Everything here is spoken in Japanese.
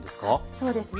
そうですね。